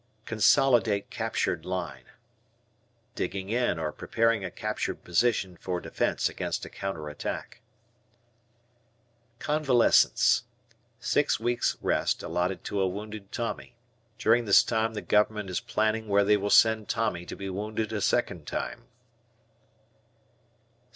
"Consolidate captured line." Digging in or preparing a captured position for defence against a counter attack. Convalescence. Six weeks' rest allotted to a wounded Tommy. During this time the Government is planning where they will send Tommy to be wounded a second time.